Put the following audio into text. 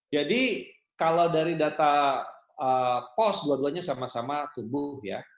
jadi kalau dari data pos dua duanya sama sama tumbuh ya